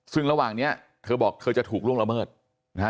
ซึ่งระหว่างนี้เธอบอกเธอจะถูกล่วงละเมิดนะฮะ